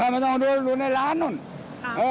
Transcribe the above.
ไปดูรถในร้านทุกวัน